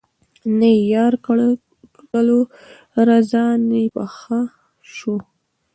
نه یې یار کړلو رضا نه یې په ښه شو